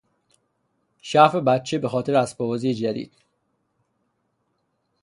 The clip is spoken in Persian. شعف بچه به خاطر اسباب بازی جدید